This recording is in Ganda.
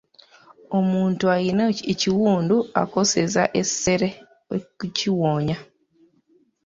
Omuntu alina ekiwundu akozesa ssere okukiwonya.